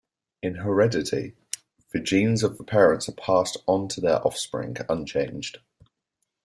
In heredity the genes of the parents are passed on to their offspring unchanged.